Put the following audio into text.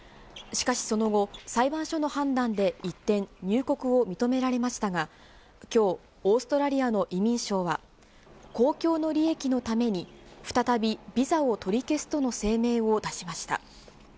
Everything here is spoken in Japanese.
しかしその後、裁判所の判断で一転、入国を認められましたが、きょう、オーストラリアの移民相は、公共の利益のために、再びビザを取り消すとの声明を出しました。